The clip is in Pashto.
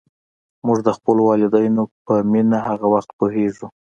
موږ د خپلو والدینو په مینه هغه وخت پوهېږو.